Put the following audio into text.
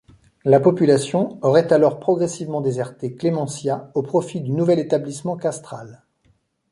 La population aurait alors progressivement déserté Clémenciat au profit du nouvel établissement castral.